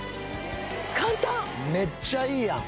めっちゃいいやん。